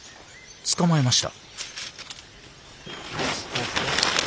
捕まえました。